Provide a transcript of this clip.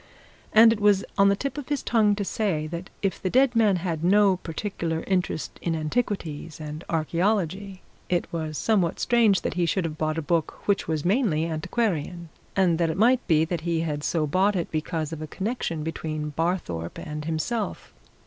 And it was on the tip of his tongue to say that if the dead man had no particular interest in antiquities and archaeology, it was somewhat strange that he should have bought a book which was mainly antiquarian, and that it might be that he had so bought it because of a connection between Barthorpe and himself.